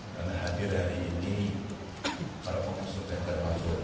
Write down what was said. karena hadir hari ini para pengusus dan terbangun